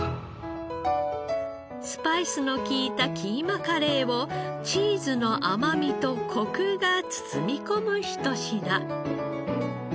スパイスの利いたキーマカレーをチーズの甘みとコクが包み込む一品。